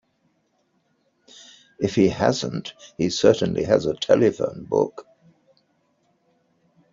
If he hasn't he certainly has a telephone book.